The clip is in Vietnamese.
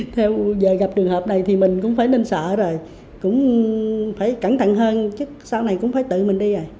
theo giờ gặp trường hợp này thì mình cũng phải ninh sợ rồi cũng phải cẩn thận hơn sau này cũng phải tự mình đi rồi